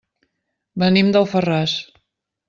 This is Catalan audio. Venim d'Alfarràs.